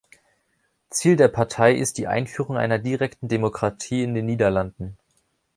Ziel der Partei ist die Einführung einer Direkten Demokratie in den Niederlanden.